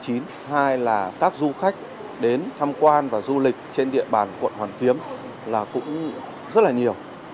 hai là các du khách đến tham quan và du lịch trên địa bàn quận hoàn kiếm là cũng rất là nhiều